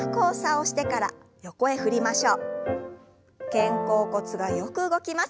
肩甲骨がよく動きます。